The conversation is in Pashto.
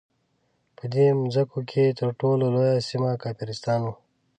په دې مځکو کې تر ټولو لویه سیمه کافرستان وو.